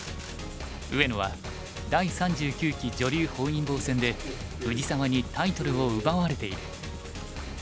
上野は第３９期女流本因坊戦で藤沢にタイトルを奪われている。